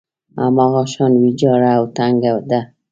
هماغه شان ويجاړه او تنګه ده.